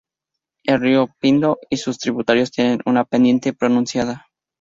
El río Pindo y sus tributarios tienen una pendiente pronunciada.